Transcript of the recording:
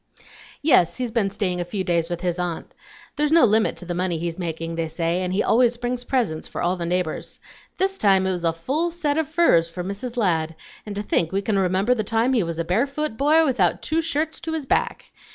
"Yes, he's been staying a few days with his aunt. There's no limit to the money he's making, they say; and he always brings presents for all the neighbors. This time it was a full set of furs for Mrs. Ladd; and to think we can remember the time he was a barefoot boy without two shirts to his back!